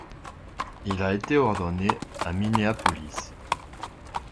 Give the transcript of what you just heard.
Il a été ordonné à Minneapolis.